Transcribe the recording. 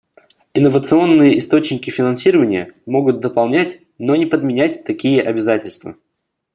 Инновационные источники финансирования могут дополнять, но не подменять такие обязательства.